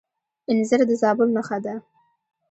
انځر د زابل نښه ده.